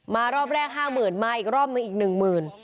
มารอบแรกห้าหมื่นมาอีกรอบมันอีกหนึ่งหมื่น